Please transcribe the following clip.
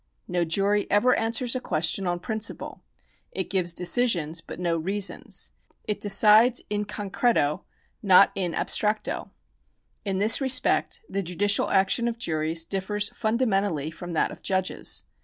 No jury ever answers a question on principle ; it gives decisions, but no reasons ; it decides in concreto, not in abstracto. In this respect the judicial action of juries differs fundamentally from that of judges.